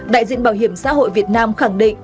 đại diện bảo hiểm xã hội việt nam khẳng định